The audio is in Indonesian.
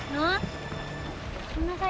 ya aku minta